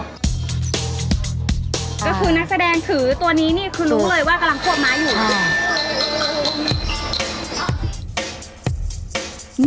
ก็คือนักแสดงถือตัวนี้นี่คือรู้เลยว่ากำลังควบม้าอยู่ค่ะ